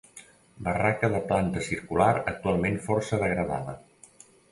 Barraca de planta circular actualment força degradada.